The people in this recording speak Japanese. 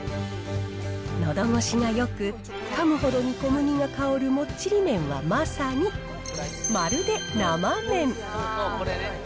のどごしがよく、かむほどに小麦が香るもっちり麺は、まさにまるで、生めん。